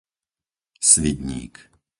Svidník